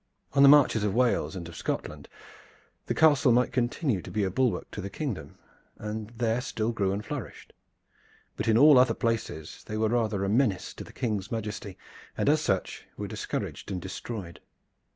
On the marches of Wales and of Scotland the castle might continue to be a bulwark to the kingdom, and there still grew and flourished; but in all other places they were rather a menace to the King's majesty, and as such were discouraged and destroyed.